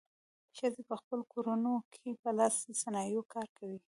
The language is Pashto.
ښځې په خپلو کورونو کې په لاسي صنایعو کار کوي.